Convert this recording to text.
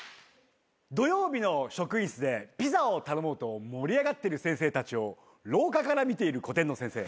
土曜日の職員室でピザを頼もうと盛り上がってる先生たちを廊下から見ている古典の先生。